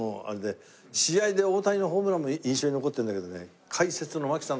試合で大谷のホームランも印象に残ってるんだけどね。